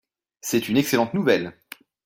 C’est une excellente nouvelle.